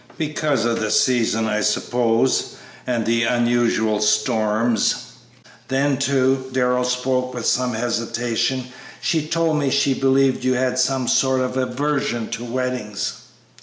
"Because of the season, I suppose, and the unusual storms; then, too," Darrell spoke with some hesitation, "she told me she believed you had a sort of aversion to weddings."